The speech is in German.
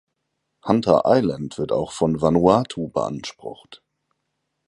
Hunter Island wird auch von Vanuatu beansprucht.